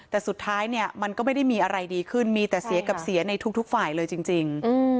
แต่สุดท้ายเนี่ยมันก็ไม่ได้มีอะไรดีขึ้นมีแต่เสียกับเสียในทุกฝ่ายเลยจริง